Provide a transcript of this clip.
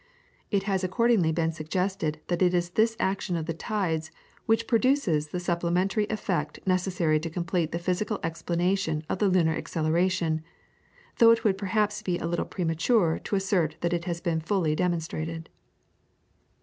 It has accordingly been suggested that it is this action of the tides which produces the supplementary effect necessary to complete the physical explanation of the lunar acceleration, though it would perhaps be a little premature to assert that this has been fully demonstrated.